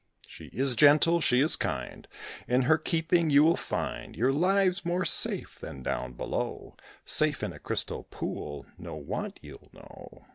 She is gentle, she is kind; In her keeping you will find Your lives more safe than down below. Safe in a crystal pool, no want you'll know.